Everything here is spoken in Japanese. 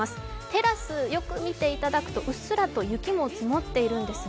テラス、よく見ていただくとうっすらと雪も積もってるんです。